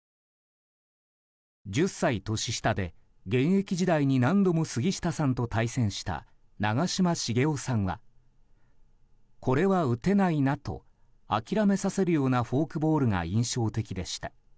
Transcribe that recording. １０歳年下で、現役時代に何度も杉下さんと対戦した長嶋茂雄さんは。これは打てないなと諦めさせるようなフォークボールが印象的でした。